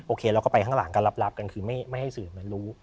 โคเราก็ไปข้างหลังกันรับกันคือไม่ให้สื่อมันรู้